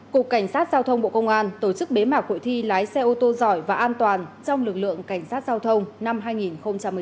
cục cảnh sát giao thông bộ công an tổ chức bế mạc hội thi lái xe ô tô giỏi và an toàn trong lực lượng cảnh sát giao thông năm hai nghìn một mươi chín